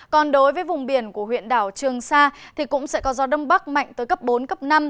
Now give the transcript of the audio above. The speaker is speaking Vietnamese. còn đối với vùng biển của huyện đảo trường sa cũng sẽ có gió đông bắc mạnh tới cấp bốn cấp năm